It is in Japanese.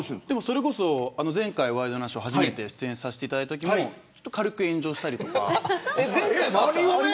それこそ、前回ワイドナショー初めて出演したときも軽く炎上したりとか。